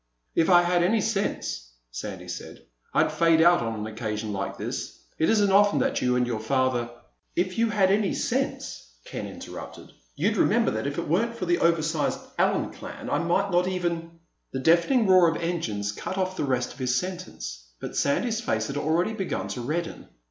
"If I had any sense," Sandy said, "I'd fade out on an occasion like this. It isn't often that you and your father—" "If you had any sense," Ken interrupted, "you'd remember that if it weren't for the oversized Allen clan I might not even—" The deafening roar of engines cut off the rest of his sentence, but Sandy's face had already begun to redden.